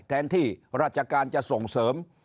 แทนที่ราชการจะส่งเสริม